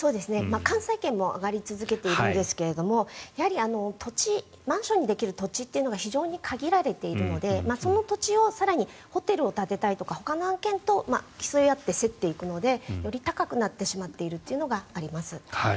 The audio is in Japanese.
関西圏も上がり続けているんですがやはりマンションにできる土地というのが非常に限られているのでその土地にホテルを建てたいとかほかの案件と競い合って競っていくのでより高くなってしまっているというのがあります。